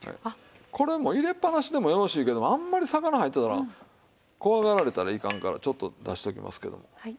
これも入れっぱなしでもよろしいけどもあんまり魚入ってたら怖がられたらいかんからちょっと出しておきますけども。